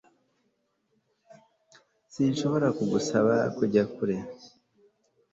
Sinshobora kugusaba kujya kure